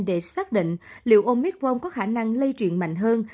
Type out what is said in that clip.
để xác định liệu omitron có khả năng lây truyền mạnh hơn